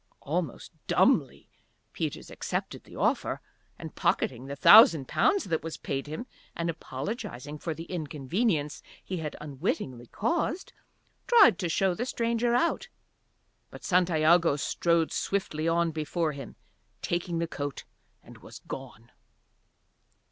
Almost dumbly Peters accepted the offer and, pocketing the thousand pounds that was paid him, and apologizing for the inconvenience he had unwittingly caused, tried to show the stranger out. But Santiago strode swiftly on before him, taking the coat, and was gone.